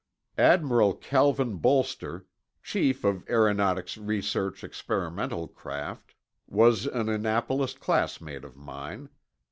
Admiral Calvin Bolster, chief of aeronautics research experimental craft, was an Annapolis classmate of mine.